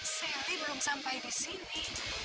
selly belum sampai disini